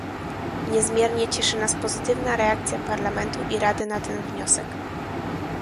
Niezmiernie cieszy nas pozytywna reakcja Parlamentu i Rady na ten wniosek